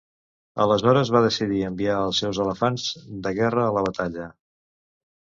Aleshores va decidir enviar els seus elefants de guerra a la batalla.